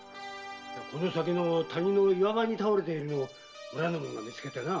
この先の谷の岩場に倒れているのを村の者が見つけてな。